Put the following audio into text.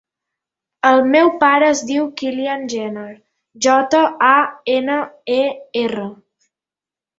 El meu pare es diu Kylian Janer: jota, a, ena, e, erra.